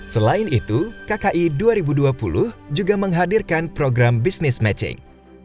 selain itu kki dua ribu dua puluh juga menghadirkan program business matching